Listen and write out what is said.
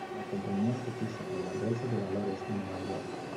La compañía cotiza en la Bolsa de Valores de Nueva York.